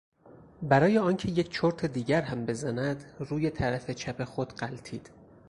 برای آنکه یک چرت دیگر هم بزند روی طرف چپ خود غلتید.